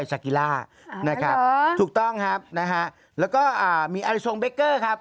ด้วยจักรีล่านะครับถูกต้องครับนะฮะแล้วก็อ่ามีครับ